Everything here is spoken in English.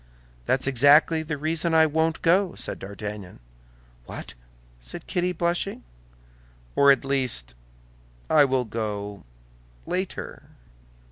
"That's exactly the reason I won't go," said D'Artagnan. "What!" said Kitty, blushing. "Or, at least, I will go—later."